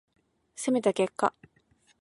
攻めた結果